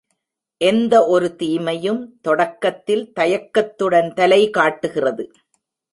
எந்த ஒரு தீமையும் தொடக்கத்தில் தயக்கத்துடன் தலைகாட்டுகிறது.